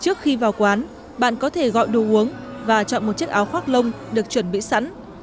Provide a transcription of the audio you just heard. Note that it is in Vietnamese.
trước khi vào quán bạn có thể gọi đồ uống và chọn một chiếc áo khoác lông được chuẩn bị sẵn